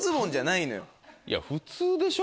いや普通でしょ？